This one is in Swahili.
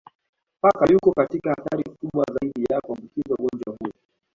Paka yuko katika hatari kubwa zaidi ya kuambukizwa ugonjwa huu